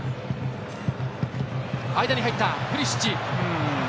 間に入った、プリシッチ。